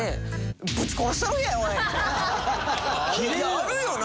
あるよな。